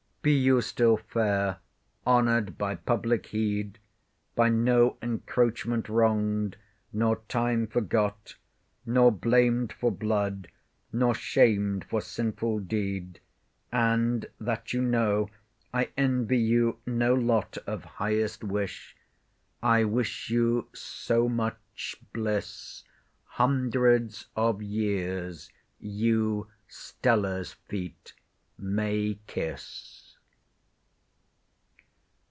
Be you still fair, honour'd by public heed, By no encroachment wrong'd, nor time forgot; Nor blam'd for blood, nor shamed for sinful deed. And that you know, I envy you no lot Of highest wish, I wish you so much bliss, Hundreds of years you STELLA'S feet may kiss. [Footnote 1: Press.